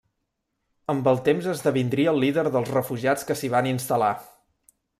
Amb el temps esdevindria el líder dels refugiats que s'hi van instal·lar.